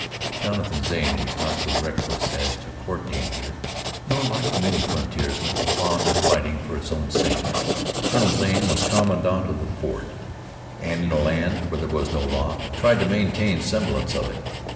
Jonathan Zane was not so reckless as to court danger, nor, like many frontiersmen, fond of fighting for its own sake. Colonel Zane was commandant of the fort, and, in a land where there was no law, tried to maintain a semblance of it.